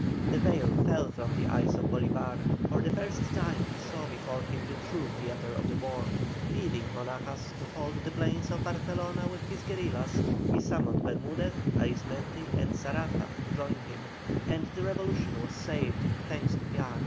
The veil fell from the eyes of Bolívar; for the first time he saw before him the true theatre of the war. Leaving Monagas to hold the plains of Barcelona with his guerillas, he summoned Bermudez, Arismendi, and Saraza to join him, and the revolution was saved, thanks to Piar.